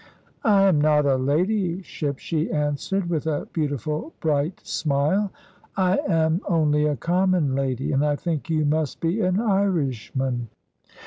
"I am not a ladyship," she answered, with a beautiful bright smile; "I am only a common lady; and I think you must be an Irishman."